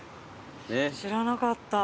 知らなかった。